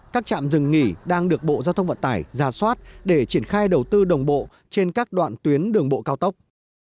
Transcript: các trạm dừng nghỉ đang được bộ giao thông vận tải ra soát để triển khai đầu tư đồng bộ trên các đoạn tuyến đường bộ cao tốc